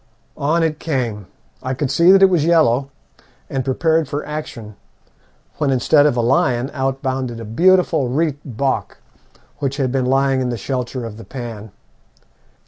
On it came. I could see that it was yellow, and prepared for action, when instead of a lion out bounded a beautiful reit bok which had been lying in the shelter of the pan.